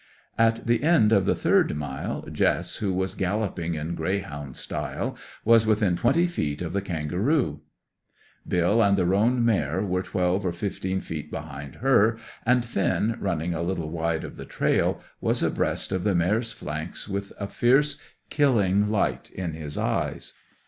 At the end of the third mile Jess, who was galloping in greyhound style, was within twenty feet of the kangaroo; Bill and the roan mare were twelve or fifteen feet behind her, and Finn, running a little wide of the trail, was abreast of the mare's flanks with a fierce, killing light in his eyes.